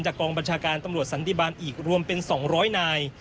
กองบัญชาการตำรวจสันติบาลอีกรวมเป็น๒๐๐นาย